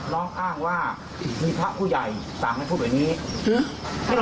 น้องอ้างว่ามีพระผู้ใหญ่สั่งให้พูดแบบนี้